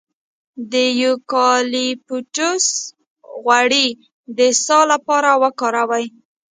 د یوکالیپټوس غوړي د ساه لپاره وکاروئ